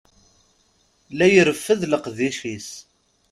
La yerfed lqec-is.